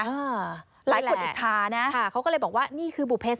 หลายคนอิจฉานะค่ะเขาก็เลยบอกว่านี่คือบุเพส